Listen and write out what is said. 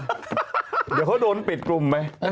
เดี๋ยวเขาโดนปิดกลุ่มไป